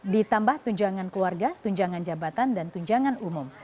ditambah tunjangan keluarga tunjangan jabatan dan tunjangan umum